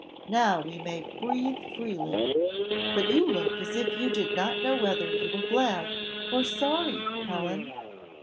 Now we may breathe freely. But you look as if you did not know whether you were glad or sorry, Helen."